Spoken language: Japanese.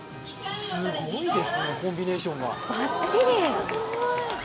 すごいですね、コンビネーションが。